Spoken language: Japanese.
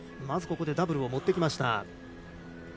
まずここでダブルを持ってきました。